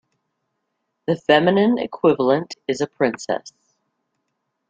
The feminine equivalent is a princess.